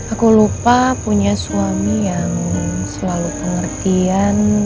aku lupa punya suami yang selalu pengertian